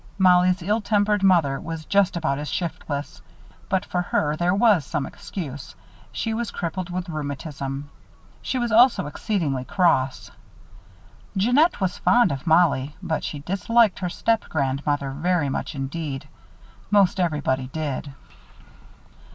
Mollie's ill tempered mother was just about as shiftless; but for her there was some excuse. She was crippled with rheumatism. She was also exceedingly cross. Jeannette was fond of Mollie, but she disliked her stepgrandmother very much indeed. Most everybody did.